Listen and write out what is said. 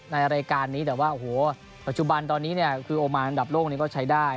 ในรายการนี้แต่ว่าโอ้โหปัจจุบันตอนนี้เนี่ยคือโอมานอันดับโลกนี้ก็ใช้ได้